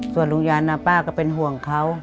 ส่วนลุงยันป้าก็เป็นห่วงเขา